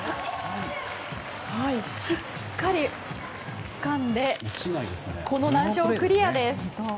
しっかり、つかんでこの難所をクリアです。